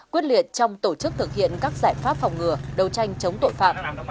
quyết liệt trong tổ chức thực hiện các giải pháp phòng ngừa đấu tranh chống tội phạm